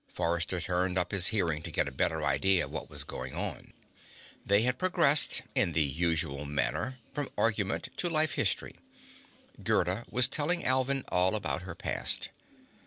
Forrester turned up his hearing to get a better idea of what was going on. They had progressed, in the usual manner, from argument to life history. Gerda was telling Alvin all about her past.